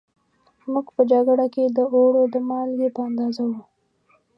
موږ په جگړه کې د اوړو د مالگې په اندازه وو